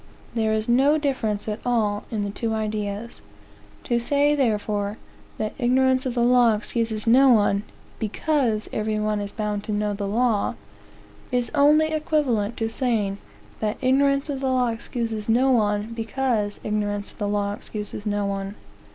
There is no difference at all in the two ideas. To say, therefore, that "ignorance of the law excuses no one, because every one is bound to know the law," is only equivalent to saying that "ignorance of the law excuses no one, because ignorance of the law excuses no one."